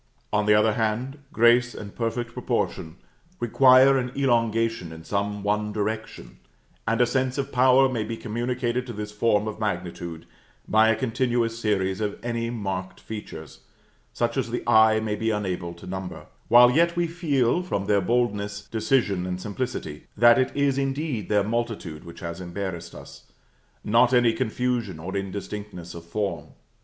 On the other hand, grace and perfect proportion require an elongation in some one direction: and a sense of power may be communicated to this form of magnitude by a continuous series of any marked features, such as the eye may be unable to number; while yet we feel, from their boldness, decision, and simplicity, that it is indeed their multitude which has embarrassed us, not any confusion or indistinctness of form.